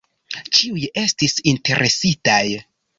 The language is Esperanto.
Ĉiuj estis interesitaj.